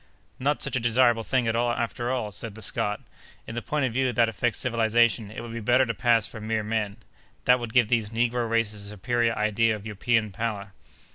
"Not such a desirable thing, after all," said the Scot, "in the point of view that affects civilization; it would be better to pass for mere men. That would give these negro races a superior idea of European power."